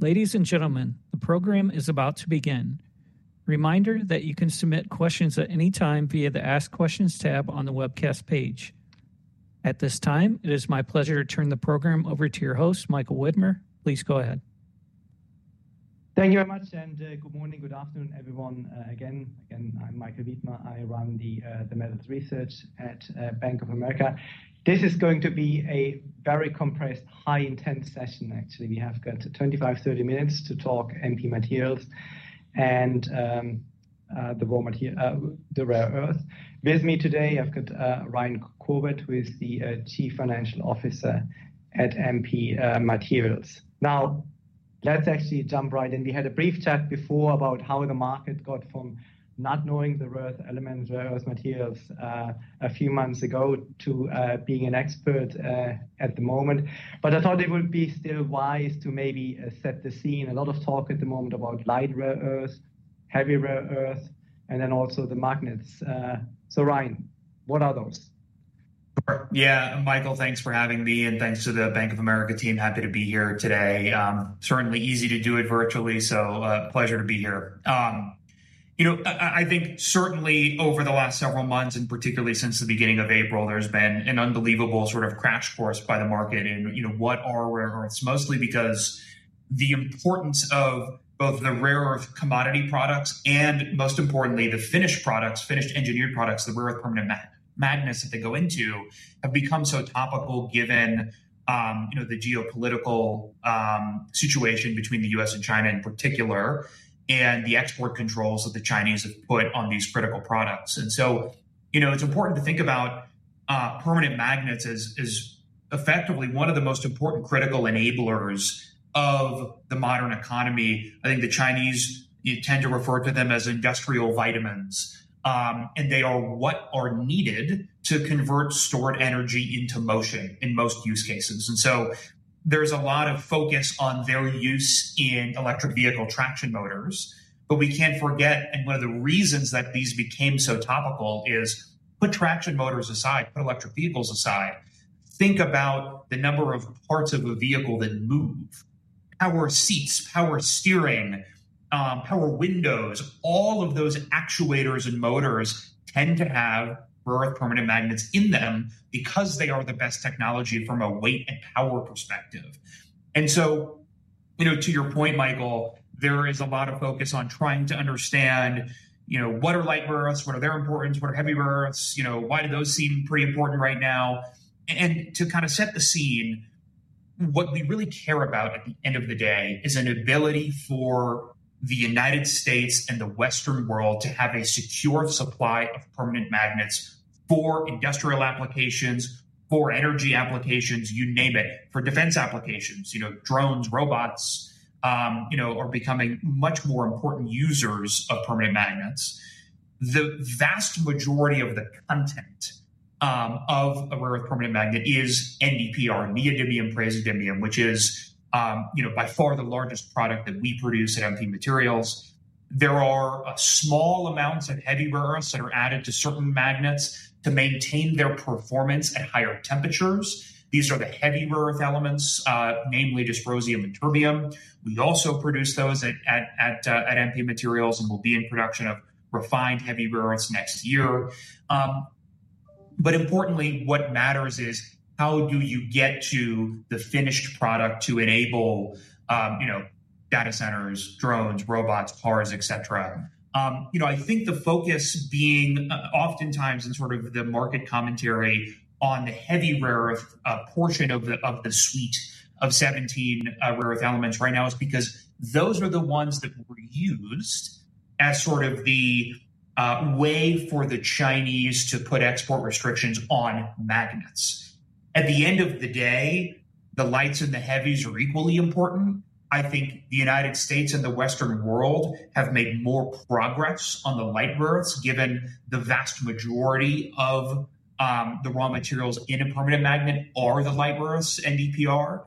Ladies and gentlemen, the program is about to begin. Reminder that you can submit questions at any time via the Ask Questions tab on the webcast page. At this time, it is my pleasure to turn the program over to your host, Michael Widmer. Please go ahead. Thank you very much, and good morning, good afternoon, everyone. Again, I'm Michael Widmer. I run the Metals Research at Bank of America. This is going to be a very compressed, high-intent session, actually. We have got 25-30 minutes to talk MP Materials and the rare earth. With me today, I've got Ryan Corbett, who is the Chief Financial Officer at MP Materials. Now, let's actually jump right in. We had a brief chat before about how the market got from not knowing the rare earth elements, rare earth materials, a few months ago to being an expert at the moment. I thought it would be still wise to maybe set the scene. A lot of talk at the moment about light rare earth, heavy rare earth, and then also the magnets. Ryan, what are those? Yeah, Michael, thanks for having me, and thanks to the Bank of America team. Happy to be here today. Certainly easy to do it virtually, so pleasure to be here. You know, I think certainly over the last several months, and particularly since the beginning of April, there's been an unbelievable sort of crash course by the market in what are rare earths, mostly because the importance of both the rare earth commodity products and, most importantly, the finished products, finished engineered products, the rare earth permanent magnets that they go into have become so topical given the geopolitical situation between the U.S. and China in particular, and the export controls that the Chinese have put on these critical products. You know, it's important to think about permanent magnets as effectively one of the most important critical enablers of the modern economy. I think the Chinese, you tend to refer to them as industrial vitamins, and they are what are needed to convert stored energy into motion in most use cases. There is a lot of focus on their use in electric vehicle traction motors, but we can't forget, and one of the reasons that these became so topical is put traction motors aside, put electric vehicles aside, think about the number of parts of a vehicle that move. Power seats, power steering, power windows, all of those actuators and motors tend to have rare earth permanent magnets in them because they are the best technology from a weight and power perspective. You know, to your point, Michael, there is a lot of focus on trying to understand, you know, what are light rare earths, what are their importance, what are heavy rare earths, you know, why do those seem pretty important right now? To kind of set the scene, what we really care about at the end of the day is an ability for the United States and the Western world to have a secure supply of permanent magnets for industrial applications, for energy applications, you name it, for defense applications. You know, drones, robots, you know, are becoming much more important users of permanent magnets. The vast majority of the content of a rare earth permanent magnet is NdPr, neodymium praseodymium, which is, you know, by far the largest product that we produce at MP Materials. There are small amounts of heavy rare earths that are added to certain magnets to maintain their performance at higher temperatures. These are the heavy rare earth elements, namely dysprosium and terbium. We also produce those at MP Materials and will be in production of refined heavy rare earths next year. But importantly, what matters is how do you get to the finished product to enable, you know, data centers, drones, robots, cars, et cetera? You know, I think the focus being oftentimes in sort of the market commentary on the heavy rare earth portion of the suite of 17 rare earth elements right now is because those are the ones that were used as sort of the way for the Chinese to put export restrictions on magnets. At the end of the day, the lights and the heavies are equally important. I think the United States and the Western world have made more progress on the light rare earths, given the vast majority of the raw materials in a permanent magnet are the light rare earths, NdPr.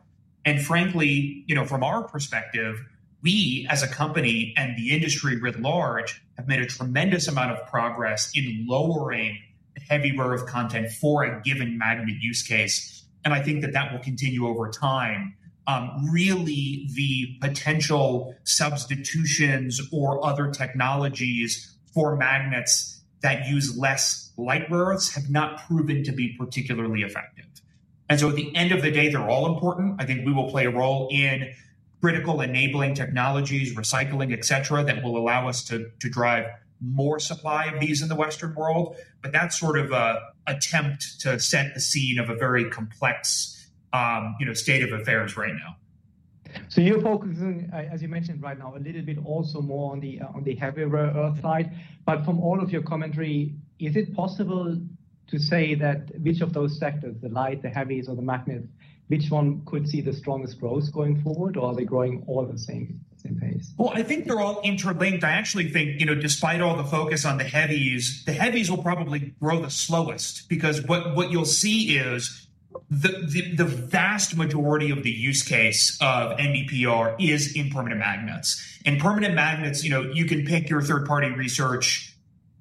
And frankly, you know, from our perspective, we as a company and the industry writ large have made a tremendous amount of progress in lowering the heavy rare earth content for a given magnet use case. I think that that will continue over time. Really, the potential substitutions or other technologies for magnets that use less light rare earths have not proven to be particularly effective. At the end of the day, they're all important. I think we will play a role in critical enabling technologies, recycling, et cetera, that will allow us to drive more supply of these in the Western world. That's sort of an attempt to set the scene of a very complex, you know, state of affairs right now. You're focusing, as you mentioned right now, a little bit also more on the heavy rare earth side. But from all of your commentary, is it possible to say that which of those sectors, the light, the heavies, or the magnets, which one could see the strongest growth going forward, or are they growing all at the same pace? I think they're all interlinked. I actually think, you know, despite all the focus on the heavies, the heavies will probably grow the slowest because what you'll see is the vast majority of the use case of NdPr is in permanent magnets. Permanent magnets, you know, you can pick your third-party research,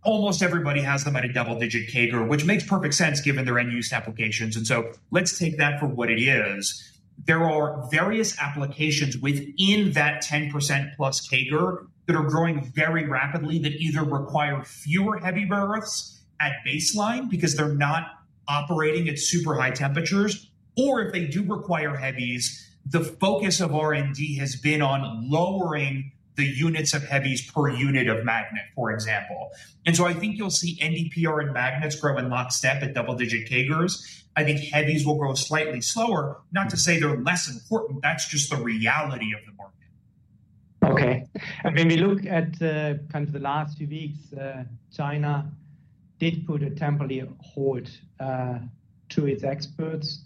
almost everybody has them at a double-digit CAGR, which makes perfect sense given their end-use applications. Let's take that for what it is. There are various applications within that 10%+ CAGR that are growing very rapidly that either require fewer heavy rare earths at baseline because they're not operating at super high temperatures, or if they do require heavies, the focus of R&D has been on lowering the units of heavies per unit of magnet, for example. I think you'll see NdPr and magnets grow in lockstep at double-digit CAGRs. I think heavies will grow slightly slower, not to say they're less important. That's just the reality of the market. Okay. When we look at kind of the last few weeks, China did put a temporary hold to its exports.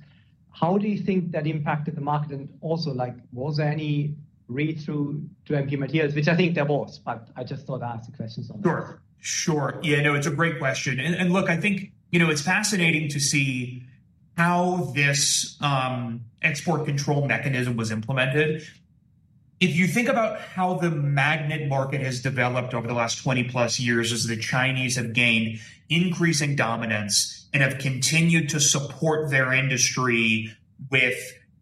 How do you think that impacted the market? Also, like, was there any read-through to MP Materials, which I think there was, but I just thought I'd ask the questions on that. Sure. Yeah, no, it's a great question. Look, I think, you know, it's fascinating to see how this export control mechanism was implemented. If you think about how the magnet market has developed over the last 20 plus years as the Chinese have gained increasing dominance and have continued to support their industry with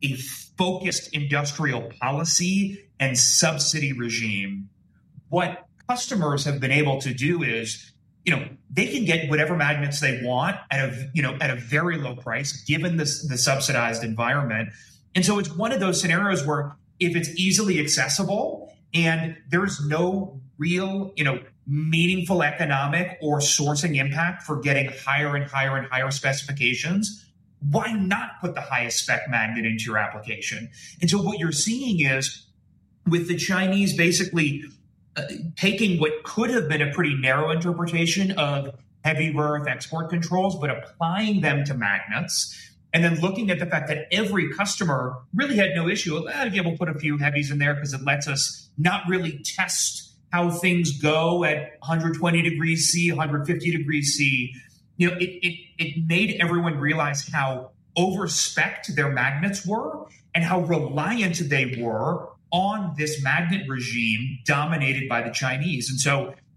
a focused industrial policy and subsidy regime, what customers have been able to do is, you know, they can get whatever magnets they want at a very low price given the subsidized environment. It's one of those scenarios where if it's easily accessible and there's no real, you know, meaningful economic or sourcing impact for getting higher and higher and higher specifications, why not put the highest spec magnet into your application? What you're seeing is with the Chinese basically taking what could have been a pretty narrow interpretation of heavy rare earth export controls, but applying them to magnets, and then looking at the fact that every customer really had no issue, well, I'll be able to put a few heavies in there because it lets us not really test how things go at 120 degrees Celsius, 150 degrees Celsius. You know, it made everyone realize how overspec'd their magnets were and how reliant they were on this magnet regime dominated by the Chinese.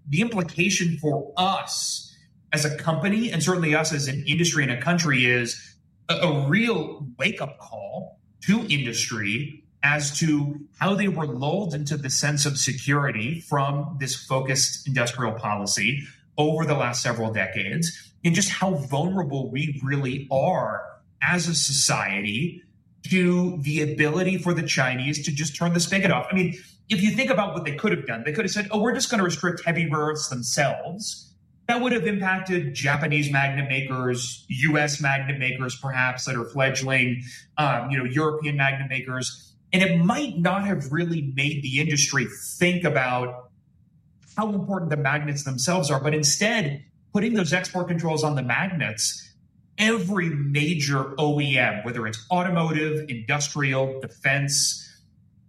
The implication for us as a company and certainly us as an industry and a country is a real wake-up call to industry as to how they were lulled into the sense of security from this focused industrial policy over the last several decades and just how vulnerable we really are as a society to the ability for the Chinese to just turn the spigot off. I mean, if you think about what they could have done, they could have said, oh, we're just going to restrict heavy rare earths themselves. That would have impacted Japanese magnet makers, U.S. magnet makers perhaps that are fledgling, you know, European magnet makers. It might not have really made the industry think about how important the magnets themselves are, but instead putting those export controls on the magnets, every major OEM, whether it's automotive, industrial, defense,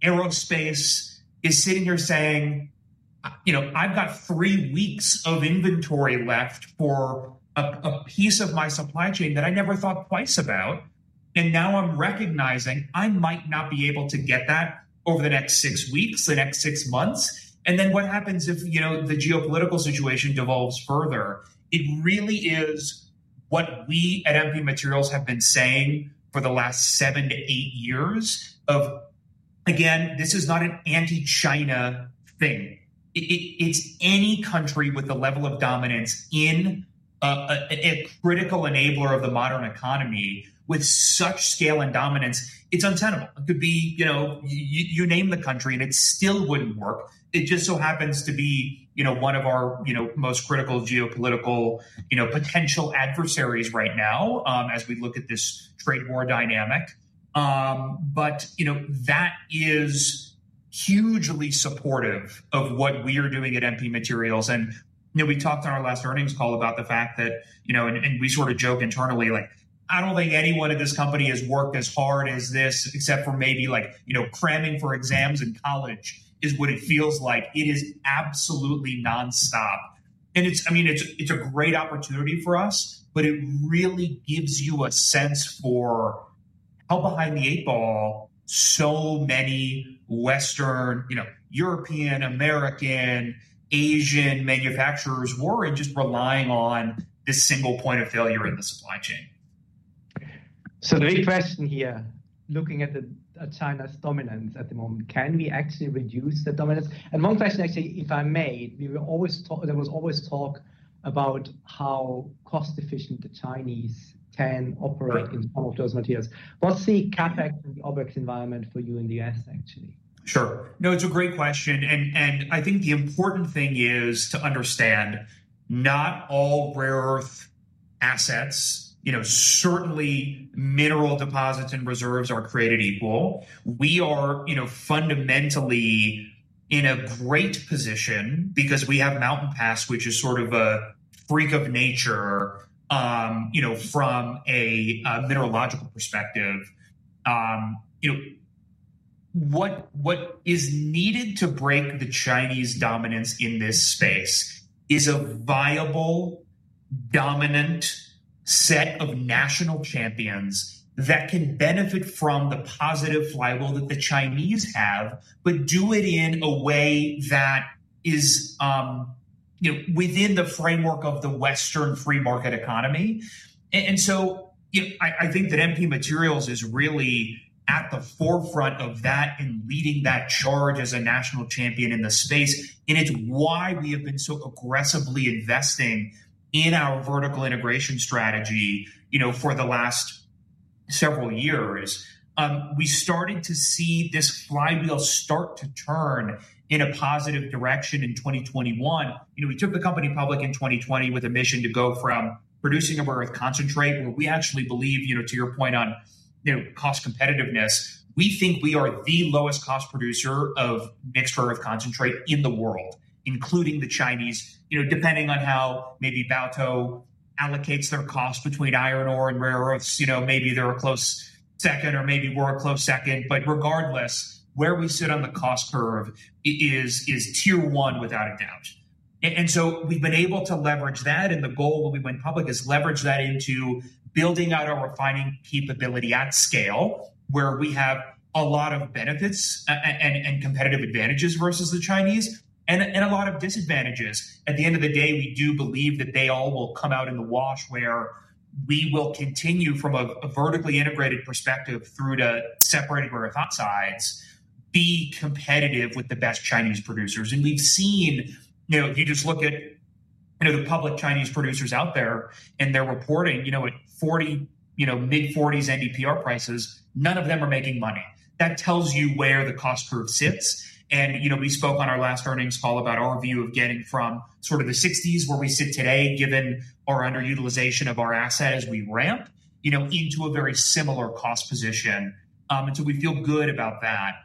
aerospace, is sitting here saying, you know, I've got three weeks of inventory left for a piece of my supply chain that I never thought twice about. Now I'm recognizing I might not be able to get that over the next six weeks, the next six months. What happens if, you know, the geopolitical situation devolves further? It really is what we at MP Materials have been saying for the last seven to eight years of, again, this is not an anti-China thing. It's any country with the level of dominance in a critical enabler of the modern economy with such scale and dominance, it's untenable. It could be, you know, you name the country and it still would not work. It just so happens to be, you know, one of our, you know, most critical geopolitical, you know, potential adversaries right now as we look at this trade war dynamic. You know, that is hugely supportive of what we are doing at MP Materials. You know, we talked on our last earnings call about the fact that, you know, and we sort of joke internally, like, I do not think anyone at this company has worked as hard as this, except for maybe like, you know, cramming for exams in college is what it feels like. It is absolutely nonstop. I mean, it's a great opportunity for us, but it really gives you a sense for how behind the eight ball so many Western, you know, European, American, Asian manufacturers were in just relying on this single point of failure in the supply chain. The big question here, looking at China's dominance at the moment, can we actually reduce the dominance? One question actually, if I may, we were always talking, there was always talk about how cost-efficient the Chinese can operate in some of those materials. What's the CapEx and the OpEx environment for you in the aspect? Sure. No, it's a great question. I think the important thing is to understand not all rare earth assets, you know, certainly mineral deposits and reserves are created equal. We are, you know, fundamentally in a great position because we have Mountain Pass, which is sort of a freak of nature, you know, from a mineralogical perspective. You know, what is needed to break the Chinese dominance in this space is a viable, dominant set of national champions that can benefit from the positive flywheel that the Chinese have, but do it in a way that is, you know, within the framework of the Western free market economy. I think that MP Materials is really at the forefront of that and leading that charge as a national champion in the space. It is why we have been so aggressively investing in our vertical integration strategy, you know, for the last several years. We started to see this flywheel start to turn in a positive direction in 2021. You know, we took the company public in 2020 with a mission to go from producing a rare earth concentrate, where we actually believe, you know, to your point on, you know, cost competitiveness, we think we are the lowest cost producer of mixed rare earth concentrate in the world, including the Chinese, you know, depending on how maybe Baotou allocates their cost between iron ore and rare earths, you know, maybe they are a close second or maybe we are a close second. Regardless, where we sit on the cost curve is tier one without a doubt. We have been able to leverage that. The goal when we went public is leverage that into building out our refining capability at scale, where we have a lot of benefits and competitive advantages versus the Chinese and a lot of disadvantages. At the end of the day, we do believe that they all will come out in the wash, where we will continue from a vertically integrated perspective through to separated rare earth oxides, be competitive with the best Chinese producers. We have seen, you know, if you just look at, you know, the public Chinese producers out there and their reporting, you know, at $40, you know, mid-$40 NdPr prices, none of them are making money. That tells you where the cost curve sits. You know, we spoke on our last earnings call about our view of getting from sort of the 60s where we sit today, given our underutilization of our asset as we ramp, you know, into a very similar cost position. We feel good about that.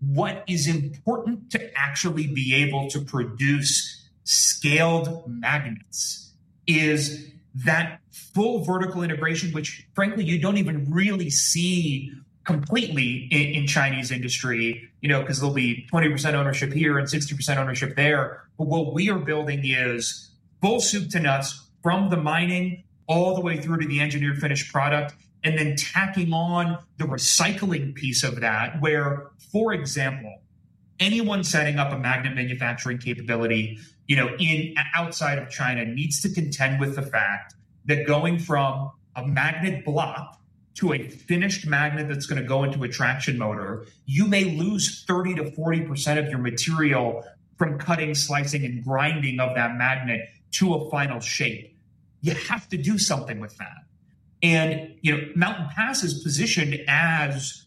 What is important to actually be able to produce scaled magnets is that full vertical integration, which frankly, you do not even really see completely in Chinese industry, you know, because there will be 20% ownership here and 60% ownership there. What we are building is full soup to nuts from the mining all the way through to the engineered finished product, and then tacking on the recycling piece of that where, for example, anyone setting up a magnet manufacturing capability, you know, outside of China needs to contend with the fact that going from a magnet block to a finished magnet that's going to go into a traction motor, you may lose 30%-40% of your material from cutting, slicing, and grinding of that magnet to a final shape. You have to do something with that. You know, Mountain Pass is positioned as,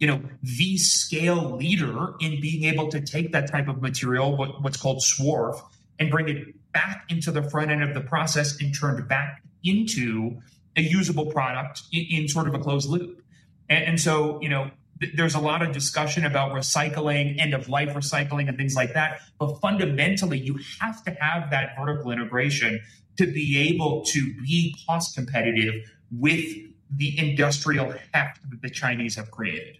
you know, the scale leader in being able to take that type of material, what's called swarf, and bring it back into the front end of the process and turn it back into a usable product in sort of a closed loop. You know, there's a lot of discussion about recycling, end-of-life recycling, and things like that. Fundamentally, you have to have that vertical integration to be able to be cost-competitive with the industrial heft that the Chinese have created.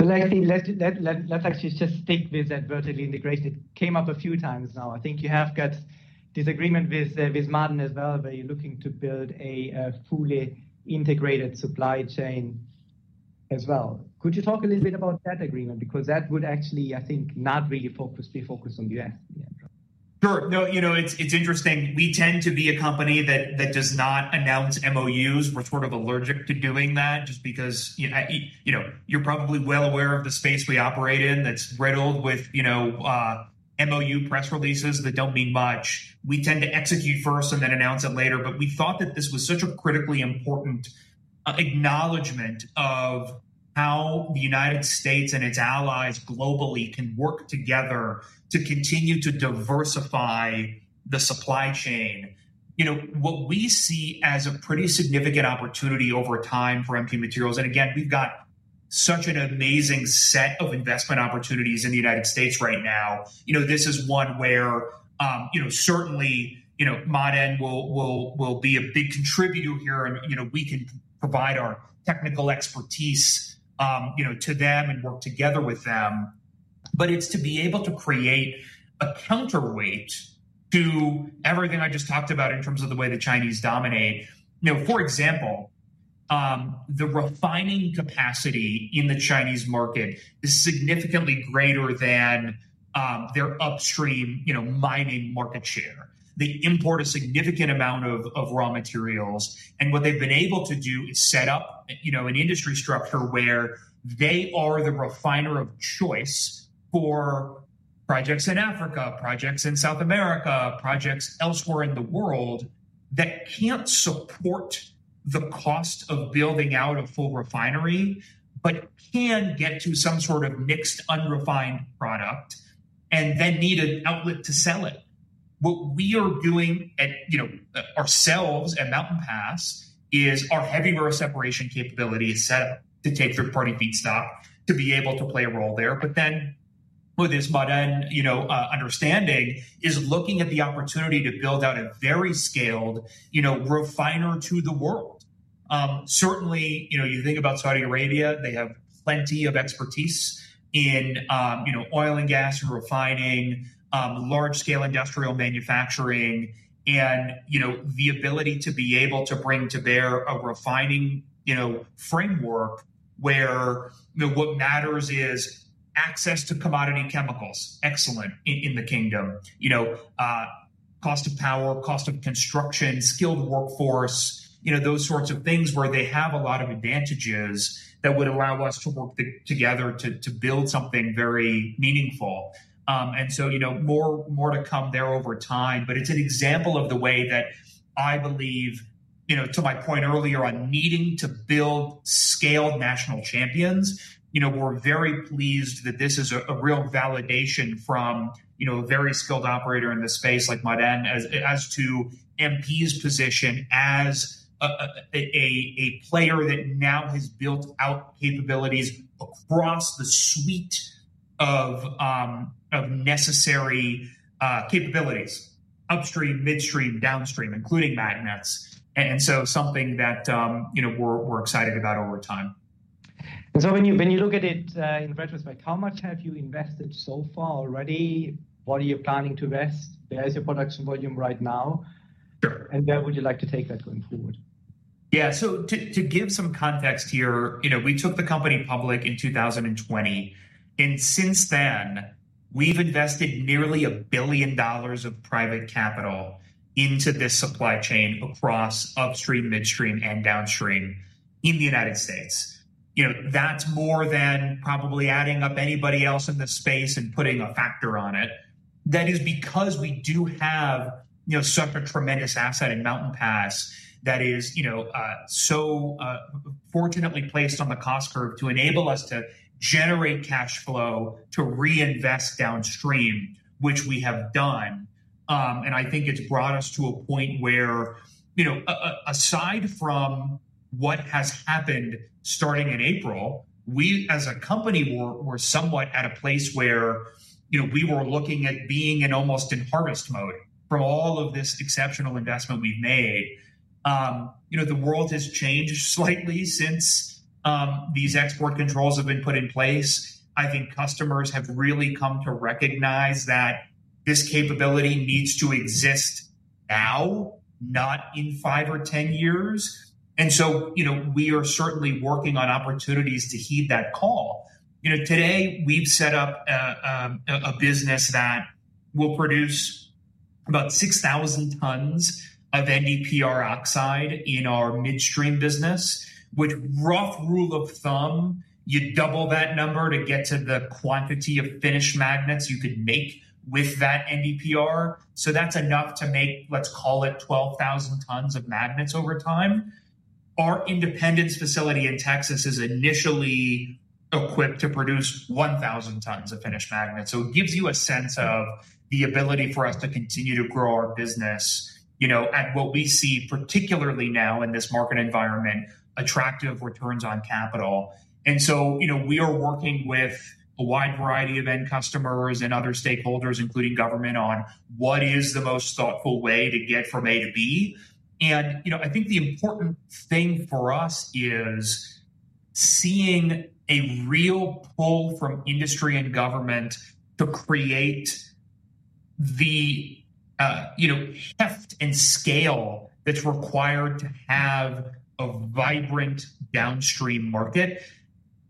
Let's actually just stick with that vertically integrated. It came up a few times now. I think you have got disagreement with Maaden as well, where you're looking to build a fully integrated supply chain as well. Could you talk a little bit about that agreement? Because that would actually, I think, not really be focused on the U.S. Sure. No, you know, it's interesting. We tend to be a company that does not announce MOUs. We're sort of allergic to doing that just because, you know, you're probably well aware of the space we operate in that's riddled with, you know, MOU press releases that do not mean much. We tend to execute first and then announce it later. We thought that this was such a critically important acknowledgement of how the United States and its allies globally can work together to continue to diversify the supply chain. You know, what we see as a pretty significant opportunity over time for MP Materials. Again, we've got such an amazing set of investment opportunities in the United States right now. You know, this is one where, you know, certainly, you know, Maaden will be a big contributor here and, you know, we can provide our technical expertise, you know, to them and work together with them. It is to be able to create a counterweight to everything I just talked about in terms of the way the Chinese dominate. You know, for example, the refining capacity in the Chinese market is significantly greater than their upstream, you know, mining market share. They import a significant amount of raw materials. What they've been able to do is set up, you know, an industry structure where they are the refiner of choice for projects in Africa, projects in South America, projects elsewhere in the world that can't support the cost of building out a full refinery, but can get to some sort of mixed unrefined product and then need an outlet to sell it. What we are doing at, you know, ourselves at Mountain Pass is our heavy rare separation capability is set up to take 30 feet stock to be able to play a role there. What Maaden, you know, understanding is looking at is the opportunity to build out a very scaled, you know, refiner to the world. Certainly, you know, you think about Saudi Arabia. They have plenty of expertise in, you know, oil and gas and refining, large scale industrial manufacturing, and, you know, the ability to be able to bring to bear a refining, you know, framework where, you know, what matters is access to commodity chemicals, excellence in the kingdom, you know, cost of power, cost of construction, skilled workforce, you know, those sorts of things where they have a lot of advantages that would allow us to work together to build something very meaningful. You know, more to come there over time. It's an example of the way that I believe, you know, to my point earlier on needing to build scaled national champions, you know, we're very pleased that this is a real validation from, you know, a very skilled operator in the space like Maaden as to MP's position as a player that now has built out capabilities across the suite of necessary capabilities, upstream, midstream, downstream, including magnets. And so something that, you know, we're excited about over time. When you look at it in retrospect, how much have you invested so far already? What are you planning to invest? Where is your production volume right now? Sure. Where would you like to take that going forward? Yeah. To give some context here, you know, we took the company public in 2020. Since then, we've invested nearly $1 billion of private capital into this supply chain across upstream, midstream, and downstream in the United States. You know, that's more than probably adding up anybody else in the space and putting a factor on it. That is because we do have, you know, such a tremendous asset in Mountain Pass that is, you know, so fortunately placed on the cost curve to enable us to generate cash flow to reinvest downstream, which we have done. I think it's brought us to a point where, you know, aside from what has happened starting in April, we as a company, we're somewhat at a place where, you know, we were looking at being in almost in harvest mode from all of this exceptional investment we've made. You know, the world has changed slightly since these export controls have been put in place. I think customers have really come to recognize that this capability needs to exist now, not in five or 10 years. And so, you know, we are certainly working on opportunities to heed that call. You know, today we've set up a business that will produce about 6,000 tons of NdPr oxide in our midstream business, which, rough rule of thumb, you double that number to get to the quantity of finished magnets you could make with that NdPr. So that's enough to make, let's call it 12,000 tons of magnets over time. Our Independence facility in Texas is initially equipped to produce 1,000 tons of finished magnets. It gives you a sense of the ability for us to continue to grow our business, you know, at what we see particularly now in this market environment, attractive returns on capital. You know, we are working with a wide variety of end customers and other stakeholders, including government, on what is the most thoughtful way to get from A to B. You know, I think the important thing for us is seeing a real pull from industry and government to create the, you know, heft and scale that's required to have a vibrant downstream market.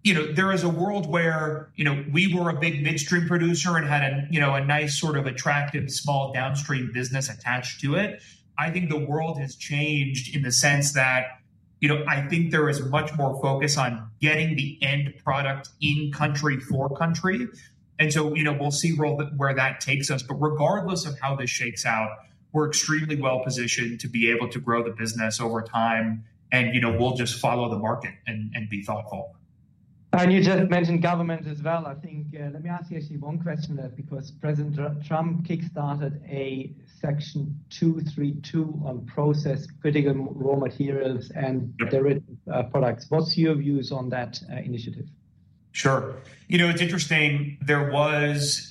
You know, there is a world where, you know, we were a big midstream producer and had a, you know, a nice sort of attractive small downstream business attached to it. I think the world has changed in the sense that, you know, I think there is much more focus on getting the end product in country for country. You know, we'll see where that takes us. Regardless of how this shakes out, we're extremely well positioned to be able to grow the business over time. You know, we'll just follow the market and be thoughtful. You just mentioned government as well. I think let me ask you actually one question there because President Trump kickstarted a Section 232 on process critical raw materials and derivative products. What's your views on that initiative? Sure. You know, it's interesting. There was,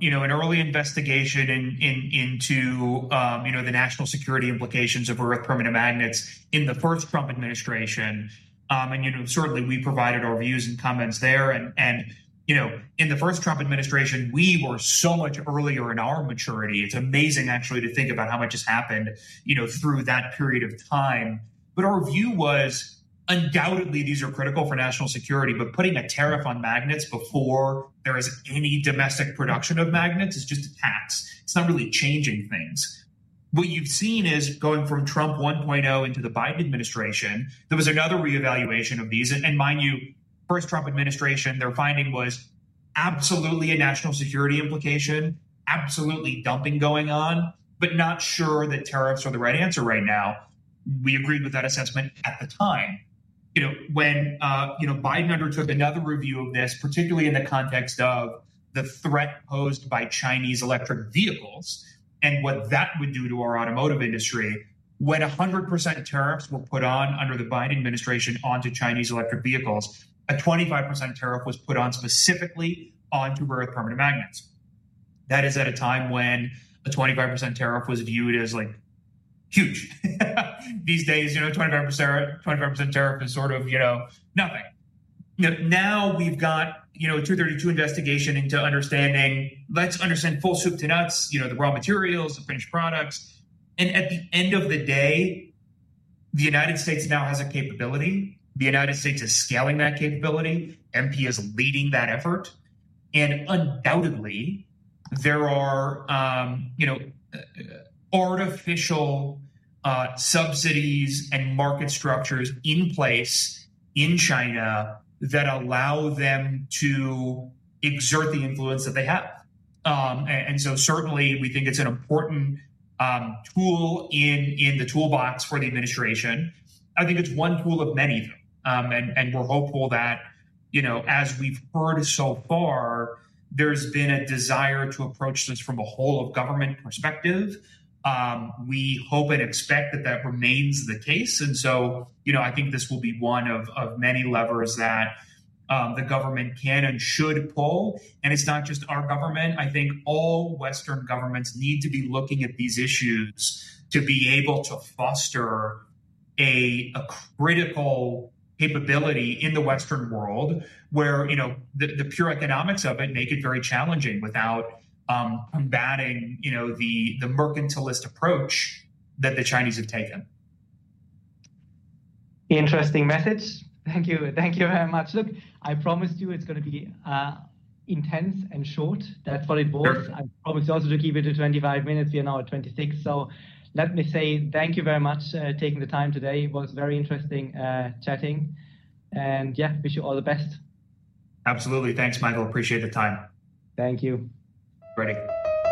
you know, an early investigation into, you know, the national security implications of rare earth permanent magnets in the first Trump administration. And, you know, certainly we provided our views and comments there. In the first Trump administration, we were so much earlier in our maturity. It's amazing actually to think about how much has happened, you know, through that period of time. Our view was undoubtedly these are critical for national security, but putting a tariff on magnets before there is any domestic production of magnets is just a tax. It's not really changing things. What you've seen is going from Trump 1.0 into the Biden administration, there was another reevaluation of these. Mind you, first Trump administration, their finding was absolutely a national security implication, absolutely dumping going on, but not sure that tariffs are the right answer right now. We agreed with that assessment at the time. You know, when, you know, Biden undertook another review of this, particularly in the context of the threat posed by Chinese electric vehicles and what that would do to our automotive industry, when 100% tariffs were put on under the Biden administration onto Chinese electric vehicles, a 25% tariff was put on specifically onto rare earth permanent magnets. That is at a time when a 25% tariff was viewed as like huge. These days, you know, 25% tariff is sort of, you know, nothing. Now we've got, you know, a 232 investigation into understanding, let's understand full soup to nuts, you know, the raw materials, the finished products. At the end of the day, the United States now has a capability. The United States is scaling that capability. MP is leading that effort. Undoubtedly, there are, you know, artificial subsidies and market structures in place in China that allow them to exert the influence that they have. Certainly, we think it's an important tool in the toolbox for the administration. I think it's one tool of many though. We're hopeful that, you know, as we've heard so far, there's been a desire to approach this from a whole-of-government perspective. We hope and expect that that remains the case. You know, I think this will be one of many levers that the government can and should pull. It's not just our government. I think all Western governments need to be looking at these issues to be able to foster a critical capability in the Western world where, you know, the pure economics of it make it very challenging without combating, you know, the mercantilist approach that the Chinese have taken. Interesting message. Thank you. Thank you very much. Look, I promised you it's going to be intense and short. That's what it was. I promised also to keep it to 25 minutes. We are now at 26. Let me say thank you very much for taking the time today. It was very interesting chatting. Yeah, wish you all the best. Absolutely. Thanks, Michael. Appreciate the time. Thank you. All righty.